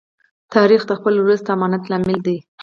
تاریخ د خپل ولس د امانت لامل دی.